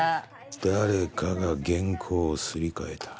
誰かが原稿をすり替えた。